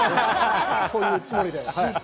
そういうつもりで。